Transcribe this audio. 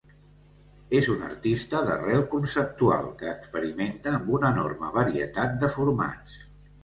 És un artista d'arrel conceptual que experimenta amb una enorme varietat de formats.